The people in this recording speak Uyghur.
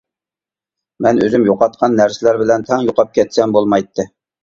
مەن ئۆزۈم يوقاتقان نەرسىلەر بىلەن تەڭ يوقاپ كەتسەم بولمايتتى.